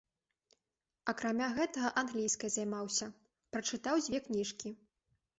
Акрамя гэтага англійскай займаўся, прачытаў дзве кніжкі.